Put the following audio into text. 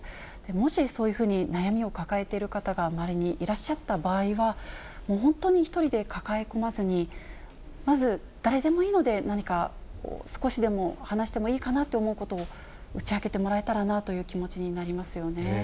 もしそういうふうに悩みを抱えている方が周りにいらっしゃった場合は、本当に１人で抱え込まずに、まず、誰でもいいので、何か少しでも話してもいいかなと思うことを、打ち明けてもらえたらなという気持ちになりますよね。